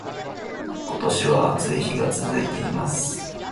今年は暑い日が続いています